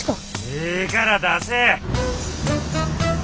ええから出せ！